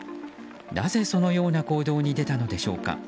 なぜそのような行動に出たのでしょうか。